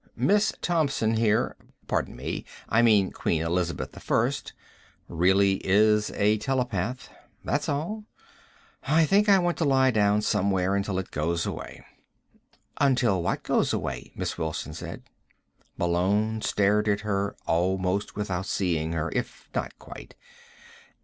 "Miss Thompson here ... pardon me; I mean Queen Elizabeth I ... really is a telepath. That's all. I think I want to lie down somewhere until it goes away." "Until what goes away?" Miss Wilson said. Malone stared at her almost without seeing her, if not quite.